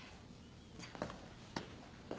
じゃあ。